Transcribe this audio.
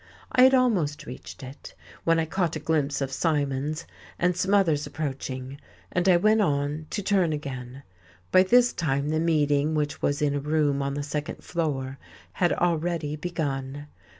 I had almost reached it when I caught a glimpse of Symonds and of some others approaching, and I went on, to turn again. By this time the meeting, which was in a room on the second floor, had already begun.